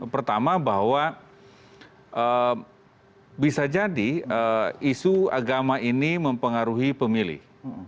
pertama bahwa bisa jadi isu agama ini mempengaruhi pemilih